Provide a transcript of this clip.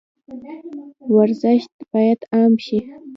ورزش باید عام شي